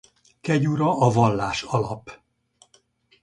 Kegyura a vallás-alap.